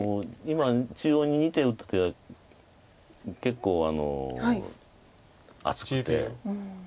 今中央に２手打って結構厚くて。